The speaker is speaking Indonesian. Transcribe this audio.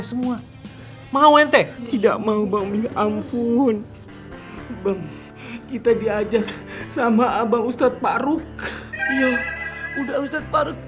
semua mau ente tidak mau bangbeli ampun bang kita diajak sama abang ustadz pakruk